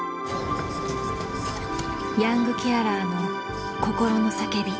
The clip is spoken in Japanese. ヤングケアラーの心の叫び。